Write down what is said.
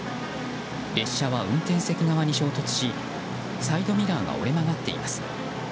列車は運転席側に衝突しサイドミラーが折れ曲がっています。